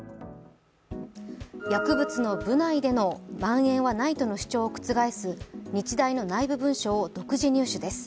薬物の部内での蔓延はないという主張を覆す日大の内部文書を入手です。